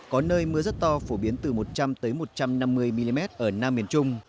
có nơi mưa rất to phổ biến từ một trăm linh một trăm năm mươi mm ở nam miền trung